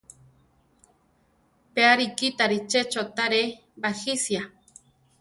Pe arikítari che chótare bajisia.